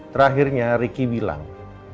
terakhirnya ricky bilang